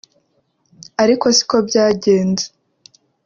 ariko siko byagenze